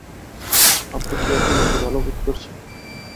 আপনি কি এখন একটু ভাল বোধ করছেন?